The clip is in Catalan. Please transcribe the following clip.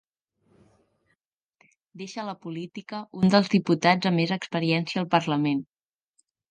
Deixa la política un dels diputats amb més experiència al parlament